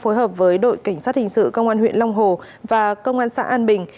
phối hợp với đội cảnh sát hình sự công an huyện long hồ và công an xã an bình